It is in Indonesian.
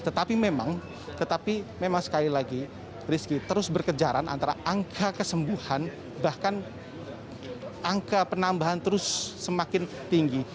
tetapi memang tetapi memang sekali lagi rizky terus berkejaran antara angka kesembuhan bahkan angka penambahan terus semakin tinggi